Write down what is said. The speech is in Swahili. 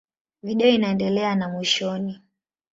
Video inaendelea na mwishoni.